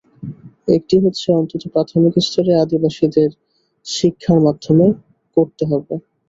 একটি হচ্ছে, অন্তত প্রাথমিক স্তরে আদিবাসীদের শিক্ষার মাধ্যম করতে হবে তাদের মাতৃভাষাকে।